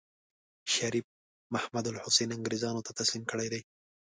شريف محمودالحسن انګرېزانو ته تسليم کړی دی.